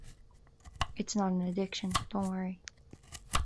It's not an addiction, don't worry.